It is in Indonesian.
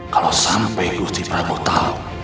kalau sampai gusih prabu tahu